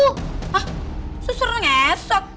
hah susur ngesot